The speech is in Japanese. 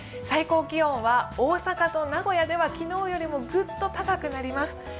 最高気温は大阪と名古屋では昨日よりもグッと高くなります。